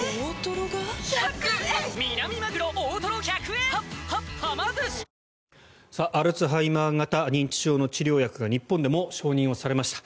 手巻おむすびふわうまアルツハイマー型認知症の治療薬が日本でも承認されました。